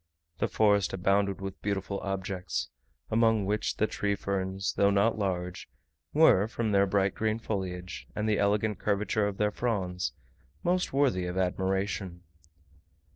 The forest abounded with beautiful objects; among which the tree ferns, though not large, were, from their bright green foliage, and the elegant curvature of their fronds, most worthy of admiration.